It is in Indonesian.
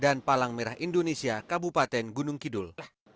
dan palang merah indonesia kabupaten gunung kidul